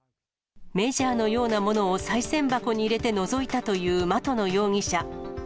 メジャーのようなものをさい銭箱に入れてのぞいたという的野容疑者。